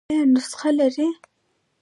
ایا نسخه لرئ؟